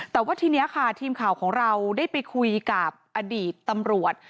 แต่ว่าทีนี้ค่ะทีมข่าวของเราได้ไปคุยกับอดีตตำรวจ